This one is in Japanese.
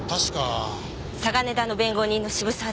嵯峨根田の弁護人の渋沢です。